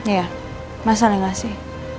iya masalah enggak sih